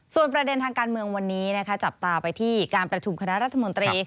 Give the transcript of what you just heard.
ส่วนประเด็นทางการเมืองวันนี้จับตาไปที่การประชุมคณะรัฐมนตรี